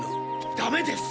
ダメです！